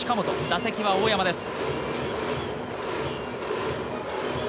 打席は大山です。